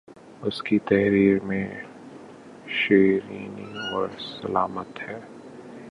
اسکی تحریر میں شیرینی اور سلاست ہے